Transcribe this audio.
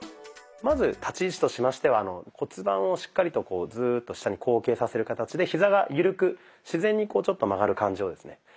まず立ち位置としましては骨盤をしっかりとこうズーッと下に後傾させる形でヒザが緩く自然にこうちょっと曲がる感じをですね。